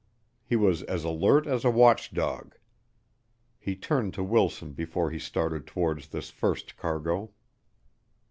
He was as alert as a watchdog. He turned to Wilson before he started towards this first cargo.